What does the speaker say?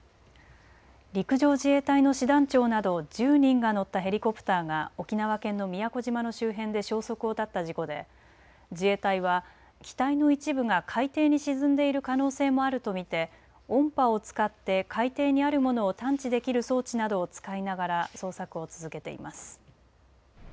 陸上自衛隊の師団長など１０人が乗ったヘリコプターが沖縄県の宮古島の周辺で消息を絶った事故で自衛隊は機体の一部が海底に沈んでいる可能性もあると見て音波を使って海底にあるものを探知できる装置などを使いながら捜索を続けています。